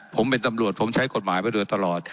ผมเป็นตำรวจผมใช้กฎหมายไปโดยตลอด